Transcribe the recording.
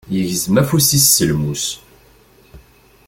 Yegzem afus-is s lmus.